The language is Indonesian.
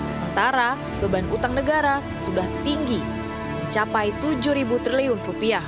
sementara beban utang negara sudah tinggi mencapai rp tujuh triliun